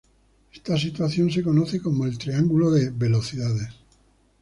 Esta situación se conoce como el triángulo de velocidades.